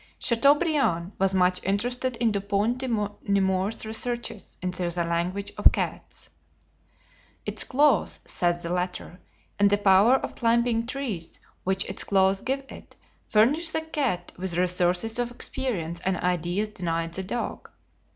Chateaubriand was much interested in Dupont de Nemours's researches into the language of cats. "Its claws," says the latter, "and the power of climbing trees which its claws give it, furnish the cat with resources of experience and ideas denied the dog.